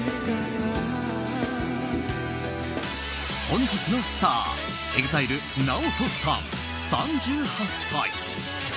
本日のスターＥＸＩＬＥ、ＮＡＯＴＯさん３８歳。